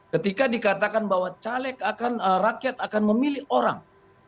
ketika dikatakan bahwa caleg akan rakyat akan memilih orang